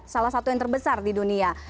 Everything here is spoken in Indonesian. salah satu yang terbesar di dunia